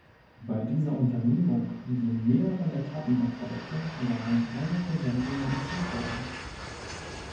Bei dieser Unternehmung, die in mehreren Etappen erfolgte, waren keine Versenkungen erzielt worden.